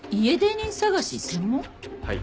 はい。